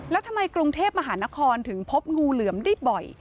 แล้วทำไมกรุงเทพมหานครถึงพบงูเหลือมได้บ่อย